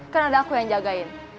kan ada aku yang jagain